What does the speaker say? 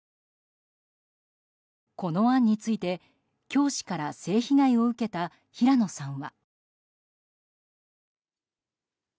この案について、教師から性被害を受けた平野さんは。